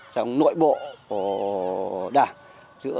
trong nội bộ của đảng